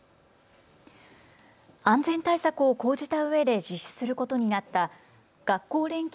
安全対策を講じたうえで実施することになった学校連携